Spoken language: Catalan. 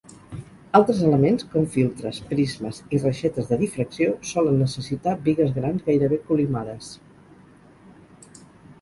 Altres elements, com filtres, prismes i reixetes de difracció, solen necessitar bigues grans gairebé col·limades.